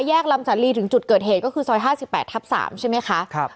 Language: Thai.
แยกลำสันลีถึงจุดเกิดเหตุก็คือซอยห้าสิบแปดทับสามใช่ไหมคะครับ